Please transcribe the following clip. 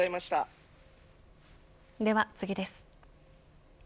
では次です。